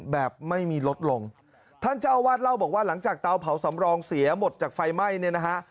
แบบไม่มีลดลงท่านเจ้าอาวาสเล่าบอกว่าหลังจากเตาเผาสำรองเสียหมดจากไฟไหม้เนี่ยนะฮะ